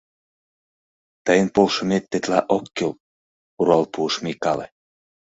— Тыйын полшымет тетла ок кӱл! — руал пуыш Микале.